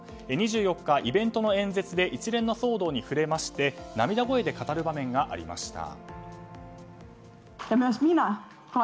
２４日、イベントの演説で一連の騒動に触れまして涙声で語る場面がありました。